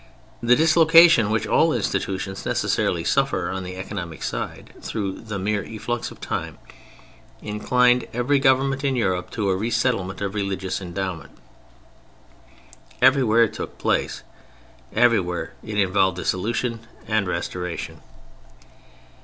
The dislocation, which all institutions necessarily suffer on the economic side through the mere efflux of time, inclined every government in Europe to a re settlement of religious endowment. Everywhere it took place; everywhere it involved dissolution and restoration.